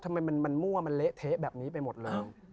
ทำไมมันมั่วมันเละเทะแบบนี้ไปหมดเลย